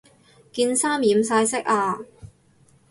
件衫染晒色呀